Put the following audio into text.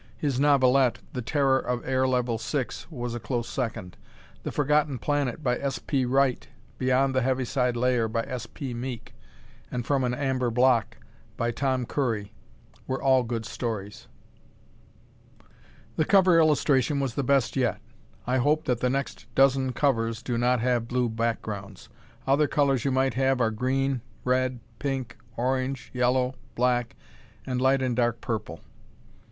His novelette, "The Terror of Air Level Six," was a close second. "The Forgotten Planet," by S. P. Wright, "Beyond the Heaviside Layer," by S. P. Meek and "From an Amber Block," by Tom Curry were all good stories. The cover illustration was the best yet. I hope that the next dozen covers do not have blue backgrounds. Other colors you might have are green, red, pink, orange, yellow, black and light and dark purple.